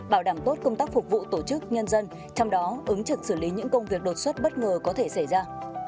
bảo đảm tốt công tác phục vụ tổ chức nhân dân trong đó ứng trực xử lý những công việc đột xuất bất ngờ có thể xảy ra